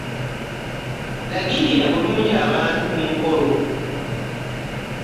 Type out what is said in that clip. Lagirira bulungi abantu ku mukolo.